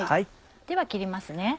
では切りますね。